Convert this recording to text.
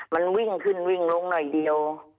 มันวิ่งขึ้นวิ่งลงหน่อยเดียว